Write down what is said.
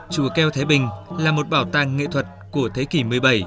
chùa keo thái bình là một bảo tàng nghệ thuật của thế kỷ một mươi bảy